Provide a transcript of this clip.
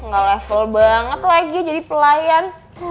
nggak level banget lagi jadi pelayan